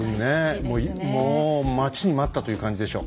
もう待ちに待ったという感じでしょ。